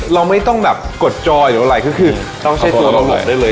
เราไม่ต้องแบบกดจอหรืออะไรก็คือต้องใช้ตัวเราเหนื่อยได้เลย